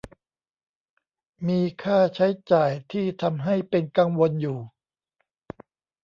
มีค่าใช้จ่ายที่ทำให้เป็นกังวลอยู่